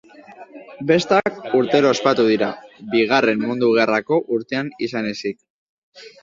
Bestak urtero ospatu dira, Bigarren Mundu Gerrako urteak izan ezik.